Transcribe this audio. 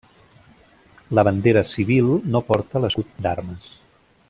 La bandera civil no porta l'escut d'armes.